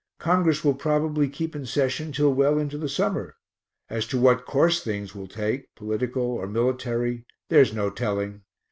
Congress will probably keep in session till well into the summer. As to what course things will take, political or military, there's no telling.